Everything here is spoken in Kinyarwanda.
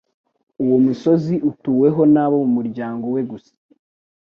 uwo musozi utuweho nabo mumuryango we gusa